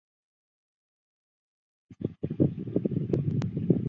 后来诺曼人和西班牙人开始移到此岛居住。